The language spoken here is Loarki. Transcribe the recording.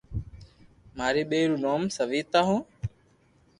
ماري ٻئير رو نوم سويتا ھو